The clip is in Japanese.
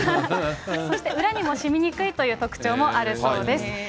そして裏にも染みにくいという特徴もあるそうです。